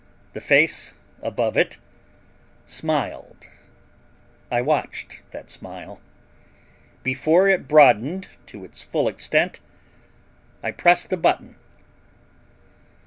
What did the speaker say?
The face above it smiled. I watched that smile. Before it broadened to its full extent, I pressed the button.